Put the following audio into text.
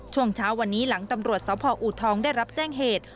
ช่วงเช้าวันนี้หลังตำรวจสพอูทองได้รับแจ้งเหตุ